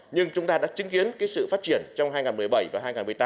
nhưng chúng ta đã chứng kiến sự phát triển trong hai nghìn một mươi bảy và hai nghìn một mươi tám